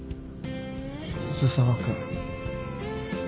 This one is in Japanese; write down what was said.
水沢君。